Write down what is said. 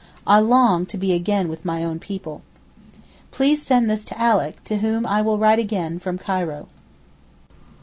I long to be again with my own people. Please send this to Alick, to whom I will write again from Cairo.